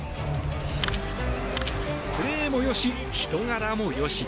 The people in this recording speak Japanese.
プレーも良し、人柄も良し。